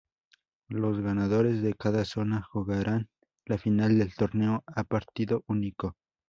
Los ganadores de cada zona, jugarán la final del torneo, a partido único.